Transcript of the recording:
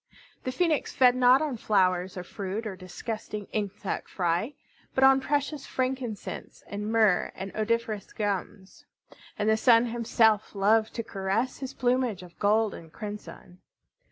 The Phoenix fed not on flowers or fruit or disgusting insect fry, but on precious frankincense and myrrh and odoriferous gums. And the Sun himself loved to caress his plumage of gold and crimson.